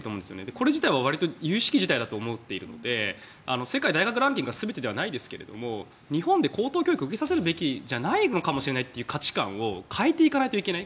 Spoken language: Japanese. これ自体は由々しき事態だと思っているので世界大学ランキングが全てではないですが日本で高等教育を受けさせるべきじゃないのかもしれないという価値観を変えていかないといけない。